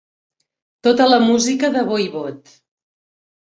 Tota la música de Voivod.